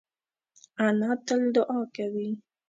انا تل دعا کوي